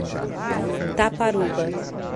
Taparuba